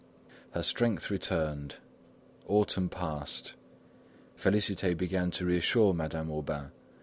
Her strength returned. Autumn passed. Félicité began to reassure Madame Aubain.